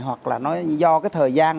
hoặc là nó do cái thời gian